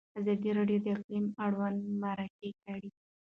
ازادي راډیو د اقلیم اړوند مرکې کړي.